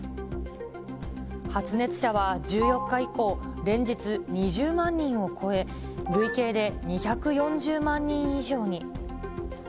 発熱者は１４日以降連日２０万人を超え、累計で２４０万人以上に。